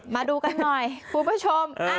มาดูกันหน่อยคุณผู้ชม